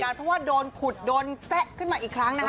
เพราะว่าโดนขุดโดนแซะขึ้นมาอีกครั้งนะคะ